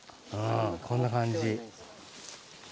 こんな感じ。